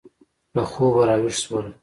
له خوبه را ویښ شول.